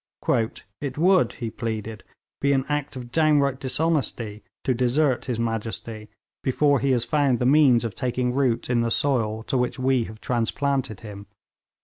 'It would,' he pleaded, 'be an act of downright dishonesty to desert His Majesty before he has found the means of taking root in the soil to which we have transplanted him.'